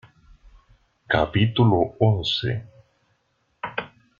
capítulo once.